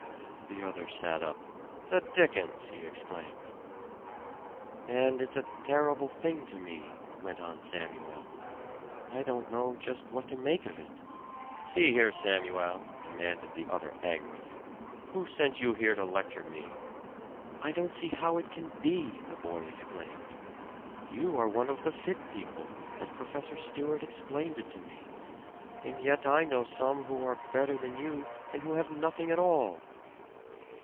The other sat up. "The dickens!" he exclaimed. "And it's a terrible thing to me," went on Samuel. "I don't know just what to make of it "See here, Samuel!" demanded the other angrily. "Who sent you here to lecture me?" "I don't see how it can be!" the boy exclaimed. "You are one of the fit people, as Professor Stewart explained it to me; and yet I know some who are better than you, and who have nothing at all."